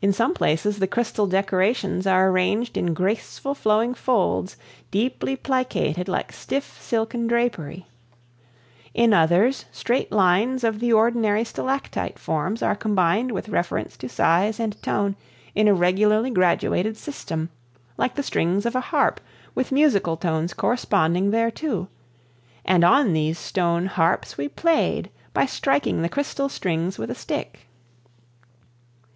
In some places the crystal decorations are arranged in graceful flowing folds deeply plicated like stiff silken drapery. In others straight lines of the ordinary stalactite forms are combined with reference to size and tone in a regularly graduated system like the strings of a harp with musical tones corresponding thereto; and on these stone harps we played by striking the crystal strings with a stick.